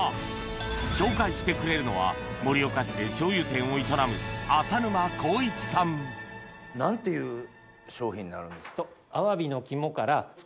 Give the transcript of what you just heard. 紹介してくれるのは盛岡市で醤油店を営む何ていう商品になるんです？